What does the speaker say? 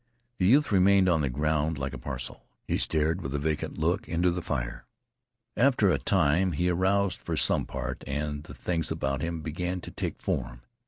The youth remained on the ground like a parcel. He stared with a vacant look into the fire. After a time he aroused, for some part, and the things about him began to take form.